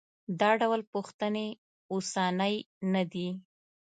دا ډول پوښتنې اوسنۍ نه دي.